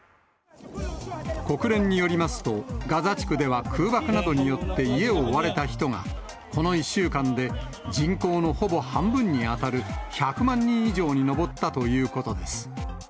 国連によりますと、ガザ地区では空爆などによって家を追われた人が、この１週間で人口のほぼ半分に当たる１００万人以上に上ったということです。